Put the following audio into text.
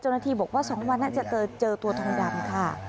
เจ้าหน้าที่บอกว่า๒วันน่าจะเจอตัวทองดำค่ะ